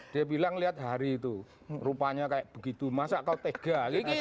dia bilang lihat hari itu rupanya kayak begitu masa kau tega